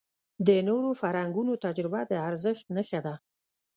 د نورو فرهنګونو تجربه د ارزښت نښه ده.